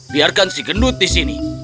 biarkan si gendut di sini